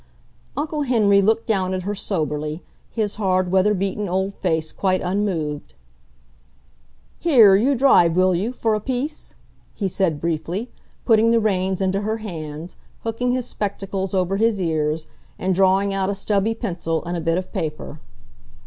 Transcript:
Uncle Henry looked down at her soberly, his hard, weather beaten old face quite unmoved. "Here, you drive, will you, for a piece?" he said briefly, putting the reins into her hands, hooking his spectacles over his ears, and drawing out a stubby pencil and a bit of paper.